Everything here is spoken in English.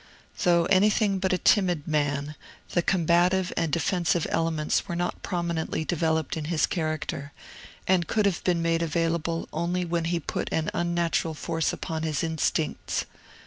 Though anything but a timid man, the combative and defensive elements were not prominently developed in his character, and could have been made available only when he put an unnatural force upon his instincts.